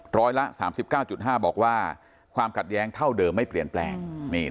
ร้อยละ๓๙๕บอกว่าความขัดแย้งเท่าเดิมไม่เปลี่ยนแปลง